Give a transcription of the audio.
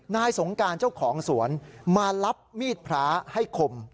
นายสงการเจ้าของสวนมารับมีดพระให้คม